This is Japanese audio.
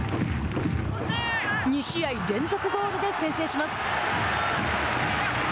２試合連続ゴールで先制します。